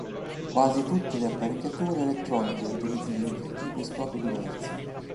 Quasi tutte le apparecchiature elettroniche utilizzano dei filtri per scopi diversi.